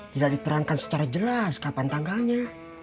tidak diterangkan secara jelas kapan tanggalnya